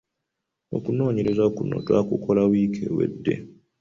Okunoonoonyereza kuno twakukola wiki ewedde.